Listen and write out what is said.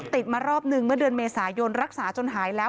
มารอบนึงเมื่อเดือนเมษายนรักษาจนหายแล้ว